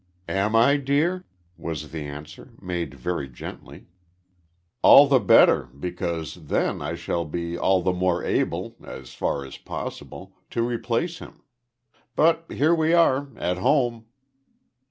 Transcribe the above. "Am I, dear?" was the answer, made very gently. "All the better, because then I shall be all the more able, as far as possible, to replace him. But here we are at home."